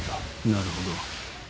なるほど。